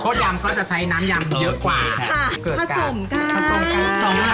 ยำก็จะใช้น้ำยำเยอะกว่าค่ะเกิดผสมกันผสมกันสองเวลา